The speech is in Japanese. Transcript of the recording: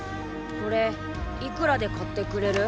これいくらで買ってくれる？